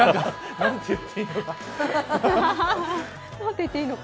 何て言っていいのか。